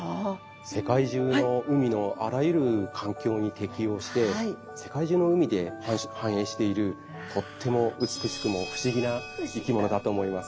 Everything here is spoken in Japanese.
世界中の海のあらゆる環境に適応して世界中の海で繁栄しているとっても美しくも不思議な生き物だと思います。